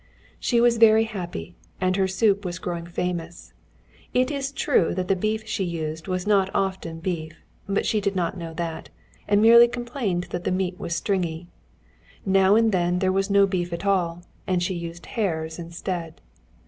She was very happy, and her soup was growing famous. It is true that the beef she used was not often beef, but she did not know that, and merely complained that the meat was stringy. Now and then there was no beef at all, and she used hares instead.